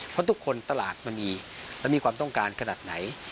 เพราะทุกคนตลาดมันมีและมีความต้องการขนาดไหน